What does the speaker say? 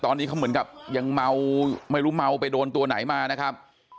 ตอนนี้เขาเหมือนกับยังเมาไม่รู้เมาไปโดนตัวไหนมานะครับ